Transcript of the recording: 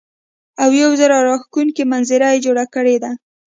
او يو زړۀ راښکونکے منظر يې جوړ کړے دے ـ